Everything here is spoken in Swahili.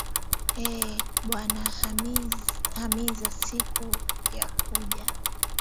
Ee Bwana himiza siku ya kuja